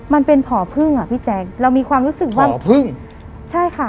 มันเป็นผ่อพึ่งอ่ะพี่แจ๊คเรามีความรู้สึกว่าผ่อพึ่งใช่ค่ะ